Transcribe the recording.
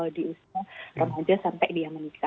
di usia remaja sampai dia menikah